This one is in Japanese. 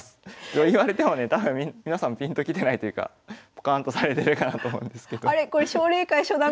言われてもね多分皆さんピンときてないというかぽかんとされてるかなと思うんですけど。